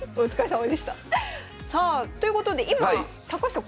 さあということで今高橋さん